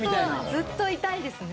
ずっといたいですね。